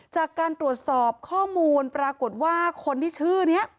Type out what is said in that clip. จากการตรวจสอบข้อมูลปรากฏว่าคนที่ชื่อนี้